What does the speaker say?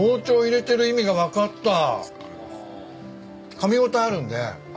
かみ応えあるんでああ